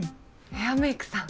ヘアメイクさん。